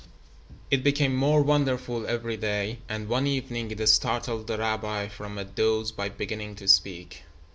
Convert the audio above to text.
It became more wonderful every day, and one evening it startled the rabbi from a doze by beginning to speak.